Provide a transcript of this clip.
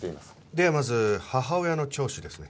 ではまず母親の聴取ですね。